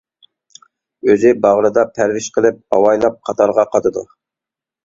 ئۆزى باغرىدا پەرۋىش قىلىپ ئاۋايلاپ قاتارغا قاتىدۇ.